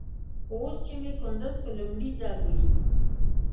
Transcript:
اوس چې مې کندوز په لومړي ځل وليد.